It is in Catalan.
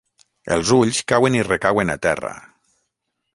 Els ulls cauen i recauen a terra.